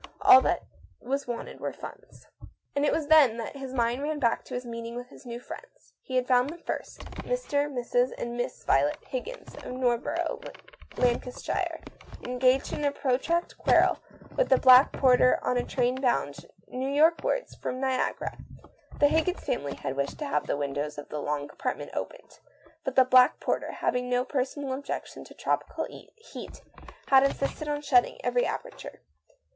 All that was wanted was funds. And it was then that his mind ran back to his meeting with his new friends. He had found them first, Mr., Mrs., and Miss Violet Higgins, of North borough, Lancashire, engaged in a protracted quarrel with the black porter in a train bound New York wards from Niagara. The Higgins family had wished to have the win dows of the long compartment opened, but the black porter, having no personal objection to tropical heat, Had insisted on shutting every aperture.